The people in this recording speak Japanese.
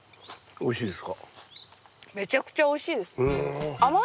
おいしいです。